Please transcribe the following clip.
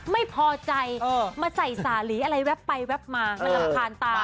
ไม่พอใจมาใส่สาหรี่อะไรแว๊บไปแวบมามันรำคาญตา